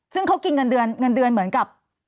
ซึ่งเขากินเงินเดือนเหมือนกับ